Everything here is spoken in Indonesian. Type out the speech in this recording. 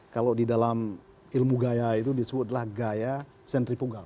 kalau didalam ilmu gaya itu disebutlah gaya sentripugal